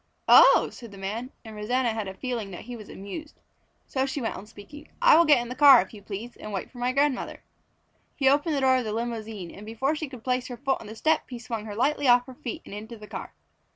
"Oh!" said the man, and Rosanna had a feeling that he was amused. So she went on speaking. "I will get in the car, if you please, and wait for my grandmother." He opened the door of the limousine and before she could place her foot on the step, he swung her lightly off her feet and into the car.